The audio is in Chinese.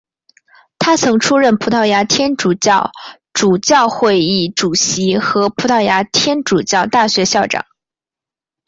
他曾出任葡萄牙天主教主教会议主席和葡萄牙天主教大学校长。